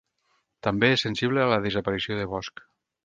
També és sensible a la desaparició de bosc.